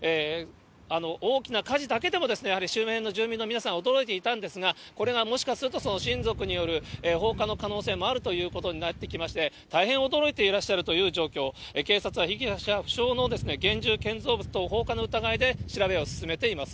大きな火事だけでも、やはり周辺の住民の皆さん、驚いていたんですが、これがもしかすると親族による放火の可能性もあるということになってきまして、大変驚いていらっしゃるという状況、警察は被疑者不詳の現住建造物等放火の疑いで、調べを進めています。